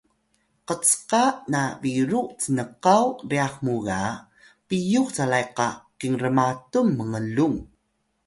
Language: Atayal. kcka na biru cnkaw ryax mu ga piyux calay qa kinrmatun mnglung